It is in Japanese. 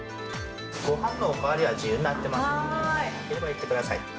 ごはんのお代わりは自由になってますので言ってください。